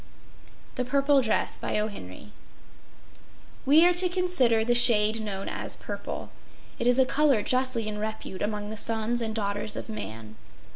THE PURPLE DRESS We are to consider the shade known as purple. It is a color justly in repute among the sons and daughters of man.